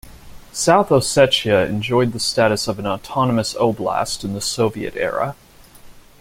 South Ossetia enjoyed the status of an autonomous oblast in the Soviet era.